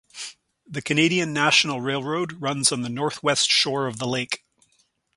The Canadian National railroad runs on the northwest shore of the lake.